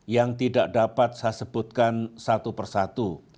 yang tidak dapat saya sebutkan satu persatu